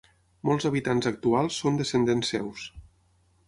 Molts habitants actuals són descendents seus.